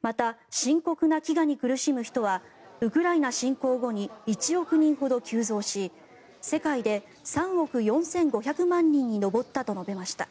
また深刻な飢餓に苦しむ人はウクライナ侵攻後に１億人ほど急増し世界で３億４５００万人に上ったと述べました。